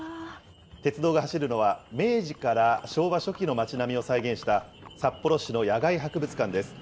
鉄道が走るのは、明治から昭和初期の町並みを再現した札幌市の野外博物館です。